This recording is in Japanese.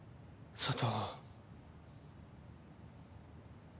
佐都！